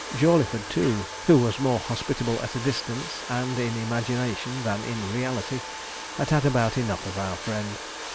Jawleyford, too, who was more hospitable at a distance, and in imagination than in reality, had had about enough of our friend.